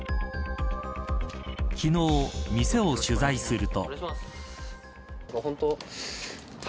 昨日、店を取材すると。